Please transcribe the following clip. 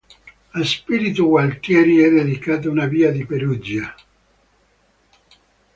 A Spirito Gualtieri è dedicata una via di Perugia.